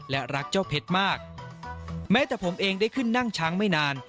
และรักเจ้าเพชรมากแม้แต่ผมเองได้ขึ้นนั่งช้างไม่นาน